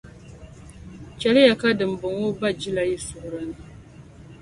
Chɛliya ka dimbɔŋɔ ba jila yi suhuri ni.